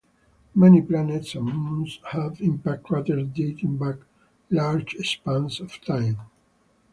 Many planets and moons have impact craters dating back large spans of time.